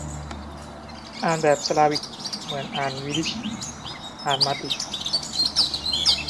อ่านแบบสลาวิก เหมือน อ่านวีดิช อ่านมาติช